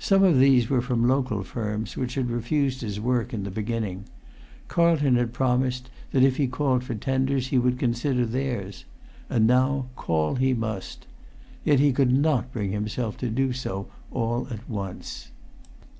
Some of these were from local firms which had refused his work in the beginning; Carlton had promised that if he called for tenders he would consider theirs; and now call he must. Yet he could not bring himself to do so all at once.